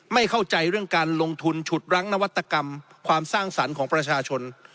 ไม่เข้าใจเรื่องการลงทุนฉุดรั้งนวัตกรรมความสร้างสรรค์ของประชาชน